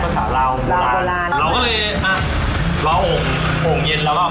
น้องไปจากชาติให้กันก็เรียกมาดู